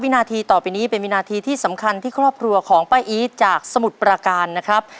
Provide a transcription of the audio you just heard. นาทีต่อไปนี้เป็นวินาทีที่สำคัญที่ครอบครัวของป้าอีทจากสมุทรประการนะครับ